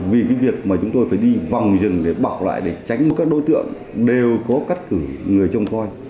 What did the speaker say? vì việc chúng tôi phải đi vòng rừng để bảo lại tránh các đối tượng đều có cắt cử người trông coi